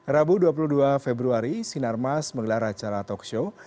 rabu dua puluh dua februari sinarmas menggelar acara talk show